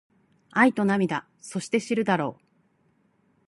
愛と涙そして知るだろう